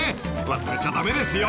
忘れちゃ駄目ですよ］